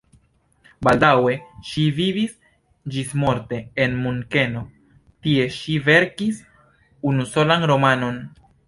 Baldaŭe ŝi vivis ĝismorte en Munkeno, tie ŝi verkis unusolan romanon.